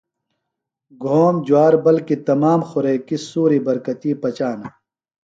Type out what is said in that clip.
گھوم، جُوار بلکہ تمام خوریکیۡ سُوری برکتی پچانہ۔